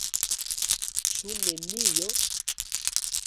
Ĉu nenio?